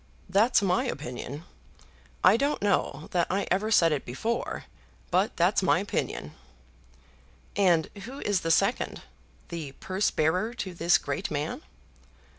That's my opinion. I don't know that I ever said it before; but that's my opinion." "And who is the second; the purse bearer to this great man?"